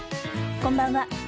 こんばんは。